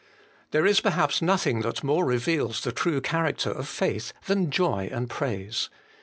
There is perhaps nothing that more reveals the true character of faith than joy and praise.